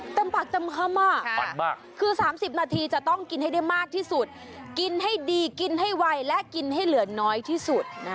ปากเต็มคำมากคือ๓๐นาทีจะต้องกินให้ได้มากที่สุดกินให้ดีกินให้ไวและกินให้เหลือน้อยที่สุด